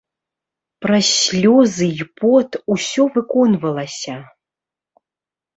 Праз слёзы і пот усё выконвалася.